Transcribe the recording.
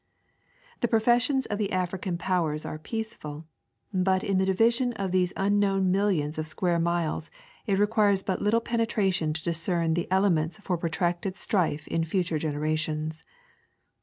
The professions of the African powers are peaceful, but in the division of these unknown niilhons of square miles it requires but little penetration to discern the elements for protracted strife in future generations.